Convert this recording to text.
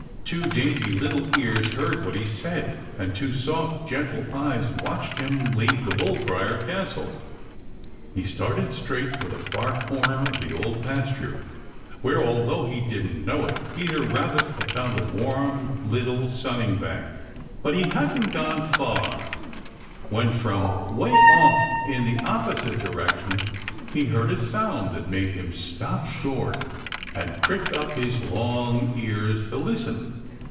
Two dainty little ears heard what he said, and two soft, gentle eyes watched him leave the bull briar castle. He started straight for the far corner of the Old Pasture where, although he didn't know it, Peter Rabbit had found a warm little sunning bank. But he hadn't gone far when, from way off in the opposite direction, he heard a sound that made him stop short and prick up his long ears to listen.